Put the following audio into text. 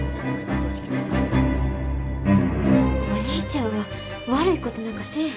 お兄ちゃんは悪いことなんかせえへん。